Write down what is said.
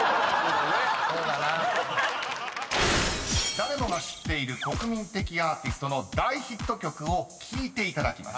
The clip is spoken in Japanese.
［誰もが知っている国民的アーティストの大ヒット曲を聴いていただきます］